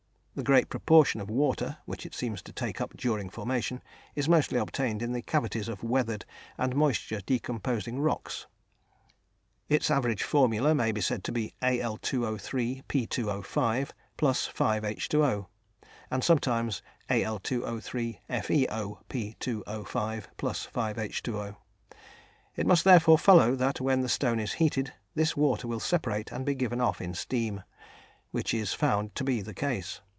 The great proportion of water, which it seems to take up during formation, is mostly obtained in the cavities of weathered and moisture decomposing rocks. Its average formula may be said to be Al_O_P_O_ + 5H_O, and sometimes Al_O_ FeOP_O_ + 5H_O. It must therefore follow that when the stone is heated, this water will separate and be given off in steam, which is found to be the case.